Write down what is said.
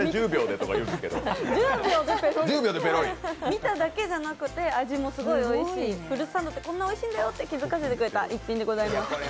見ただけじゃなくて味もすごくおいしい、フルーツサンドってこんなにおいしいんだよと気づかせてくれた逸品です。